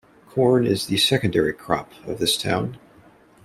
Corn is the secondary crop of this town.